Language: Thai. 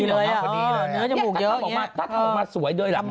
ดีเลยอ่ะอ่อเนื้อจมูกเยอะอย่างเงี้ยถ้าทำออกมาสวยด้วยแหละ